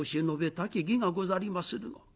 たき儀がござりまするが」。